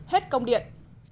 hết công điện